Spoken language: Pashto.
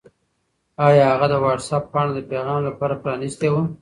آیا هغه د وټس-اپ پاڼه د پیغام لپاره پرانستې وه؟